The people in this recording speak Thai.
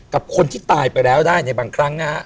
กับคนที่ตายไปแล้วได้ในบางครั้งนะฮะ